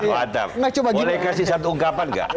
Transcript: wadah boleh kasih satu ungkapan gak